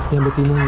yang betina ini